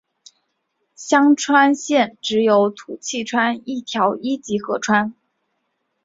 香川县只有土器川一条一级河川。